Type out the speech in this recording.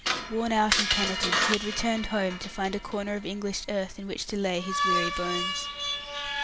Worn out and penitent, he had returned home to find a corner of English earth in which to lay his weary bones.